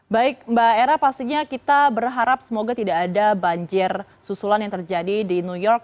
baik mbak era pastinya kita berharap semoga tidak ada banjir susulan yang terjadi di new york